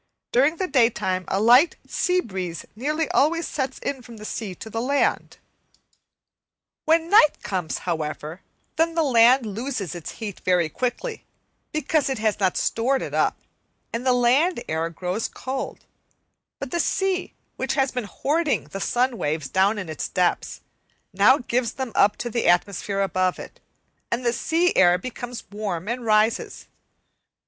During the daytime a light sea breeze nearly always sets in from the sea to the land. When night comes, however, then the land loses its heat very quickly, because it has not stored it up and the land air grows cold; but the sea, which has been hoarding the sun waves down in its depths, now gives them up to the atmosphere above it, and the sea air becomes warm and rises.